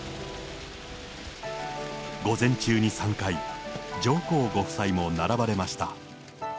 午前中に３回、上皇ご夫妻も並ばれました。